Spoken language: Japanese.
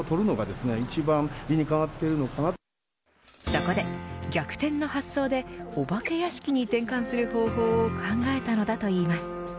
そこで逆転の発想でお化け屋敷に転換する方法を考えたのだといいます。